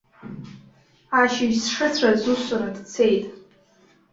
Ашьыжь сшыцәаз усура дцеит.